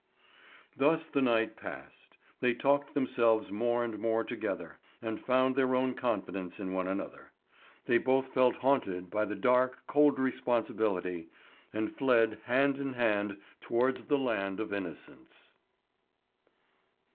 Thus the night passed. They talked themselves more and more together, and found their own confidence in one another. They both felt haunted by the dark, cold responsibility, and fled hand in hand towards the land of innocence.